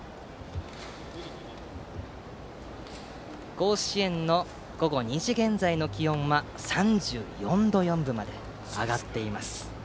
甲子園の午後２時現在の気温は３４度４分まで上がっています。